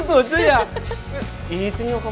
itu nyokap lu aja udah ngasih lama